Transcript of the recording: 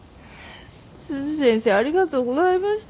鈴先生ありがとうございました。